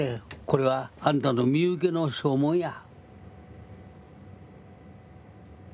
これはあんたの身請けの証文や」。